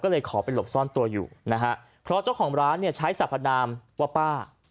ก็เลยขอไปหลบซ่อนตัวอยู่นะฮะเพราะเจ้าของร้านเนี่ยใช้สรรพนามว่าป้า